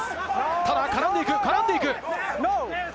ただ絡んでいく、絡んでいく。